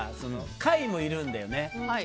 貝もいるんだよね。